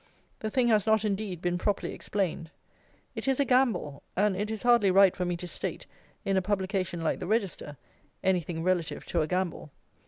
The thing has not, indeed, been properly explained. It is a gamble; and it is hardly right for me to state, in a publication like the Register, anything relative to a gamble.